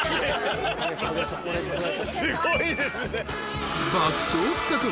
すごいですね。